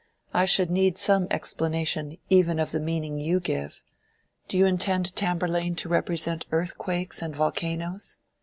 "I should need some explanation even of the meaning you give. Do you intend Tamburlaine to represent earthquakes and volcanoes?"